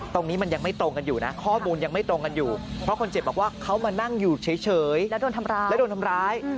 ตรงนี้มันยังไม่ตรงกันอยู่นะข้อมูลยังไม่ตรงกันอยู่เพราะคนเจ็บบอกว่าเขามานั่งอยู่เฉยแล้วโดนทำร้ายแล้วโดนทำร้าย